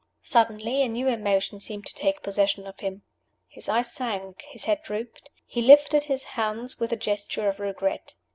Suddenly a new emotion seemed to take possession of him. His eyes sank, his head drooped; he lifted his hands with a gesture of regret.